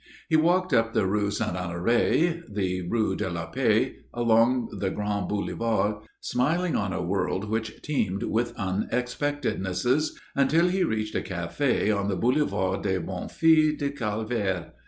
He walked up the Rue Saint Honoré, the Rue de la Paix, along the Grands Boulevards, smiling on a world which teemed with unexpectednesses, until he reached a café on the Boulevard des Bonnes Filles de Calvaire.